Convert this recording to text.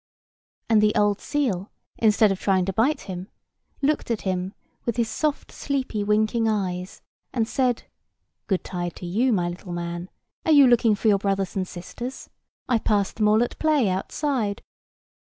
And the old seal, instead of trying to bite him, looked at him with his soft sleepy winking eyes, and said, "Good tide to you, my little man; are you looking for your brothers and sisters? I passed them all at play outside."